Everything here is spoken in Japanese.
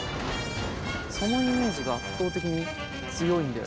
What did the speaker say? そのイメージが圧倒的に強いんだよね。